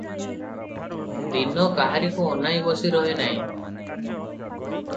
ଦିନ କାହାରିକୁ ଅନାଇ ବସିରହେ ନାହିଁ ।